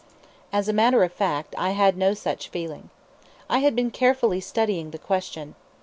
As a matter of fact, I had no such feeling. I had been carefully studying the question.